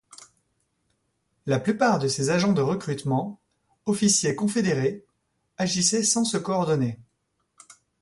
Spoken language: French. La plupart de ces agents de recrutement, officiers confédérés, agissaient sans se coordonner.